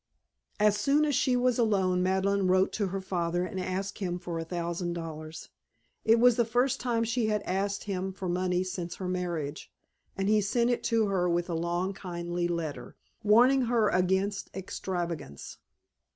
As soon as she was alone Madeleine wrote to her father and asked him for a thousand dollars. It was the first time she had asked him for money since her marriage; and he sent it to her with a long kindly letter, warning her against extravagance.